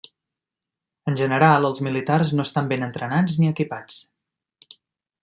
En general, els militars no estan ben entrenats ni equipats.